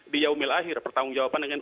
di yaumil akhir pertanggung jawaban dengan